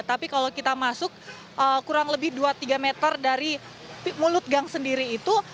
tapi kalau kita masuk kurang lebih dua tiga meter dari mulut gang sendiri itu